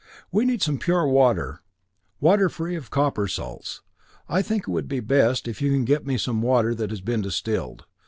"We need some pure water water free of copper salts. I think it would be best if you can get me some water that has been distilled.